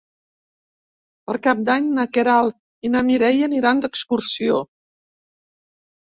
Per Cap d'Any na Queralt i na Mireia aniran d'excursió.